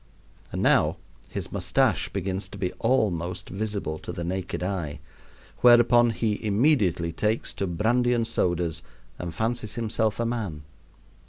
And now his mustache begins to be almost visible to the naked eye, whereupon he immediately takes to brandy and sodas and fancies himself a man.